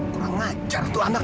kurang ajar tuh anak